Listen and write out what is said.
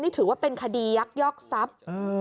นี่ถือว่าเป็นคดียักยอกทรัพย์